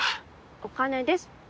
お金です。